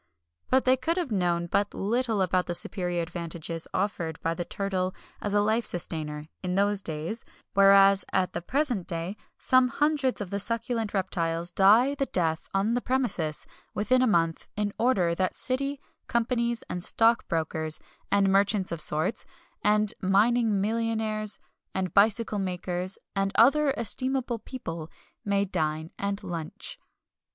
But they could have known but little about the superior advantages offered by the turtle as a life sustainer, in those days; whereas at the present day some hundreds of the succulent reptiles die the death on the premises, within a month, in order that city companies, and stockbrokers, and merchants of sorts, and mining millionaires, and bicycle makers, and other estimable people, may dine and lunch.